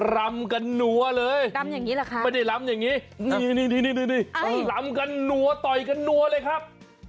ลำกันหนัวเลยไม่ได้ลำอย่างนี้นี่ลำกันหนัวต่อยกันหนัวเลยครับ